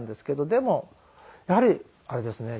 でもやはりあれですね。